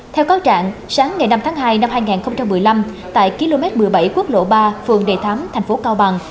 theo cáo trạng sáng ngày năm tháng hai năm hai nghìn một mươi năm tại km một mươi bảy quốc lộ ba phường đề thám thành phố cao bằng